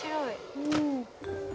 うん。